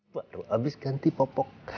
waduh abis ganti popok